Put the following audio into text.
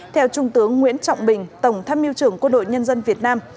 theo trung tướng nguyễn trọng bình tổng tham mưu trưởng quân đội nhân dân việt nam